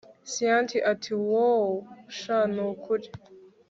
cyntia ati wowww sha nukuri